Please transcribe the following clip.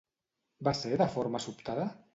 Va ser de forma sobtada?